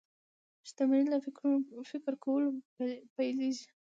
شتمني له فکر کولو پيلېږي.